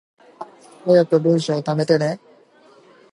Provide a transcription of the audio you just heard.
早く文章溜めてね